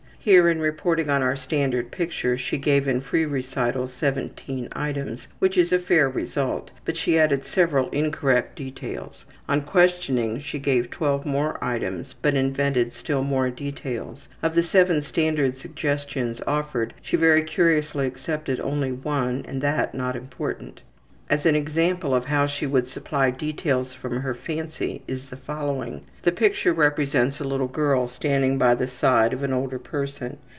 Here in reporting on our standard picture she gave in free recital 17 items, which is a fair result, but she added several incorrect details. On questioning she gave 12 more items, but invented still more details. Of the seven standard suggestions offered she very curiously accepted only one, and that not important. As an example of how she would supply details from her fancy is the following: The picture represents a little girl standing by the side of an older person.